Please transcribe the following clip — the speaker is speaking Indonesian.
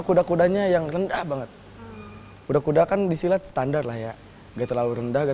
kuda kudanya yang rendah banget kuda kuda kan disilat standar lah ya terlalu rendah